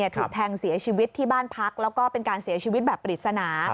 ถูกแทงเสียชีวิตที่บ้านพักแล้วก็เป็นการเสียชีวิตแบบปริศนา